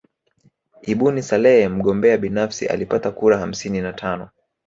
Ibuni Saleh mgombea binafsi alipata kura hamsini na tano